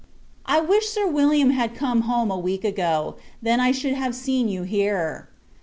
I wish Sir William had come home a week ago, then I should have seen you here.